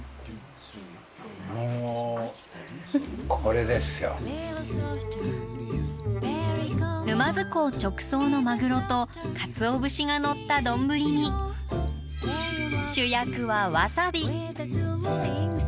もう沼津港直送のマグロとかつお節がのった丼に主役はわさび。